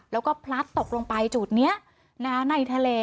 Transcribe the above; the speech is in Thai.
แล้วก็พลัดตกลงไปจุดนี้ในทะเล